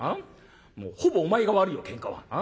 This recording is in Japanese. もうほぼお前が悪いよけんかは。